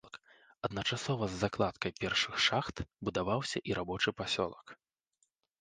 Адначасова з закладкай першых шахт будаваўся і рабочы пасёлак.